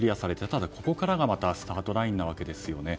ただ、ここからがスタートラインなわけですよね。